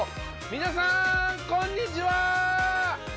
皆さーんこんにちは！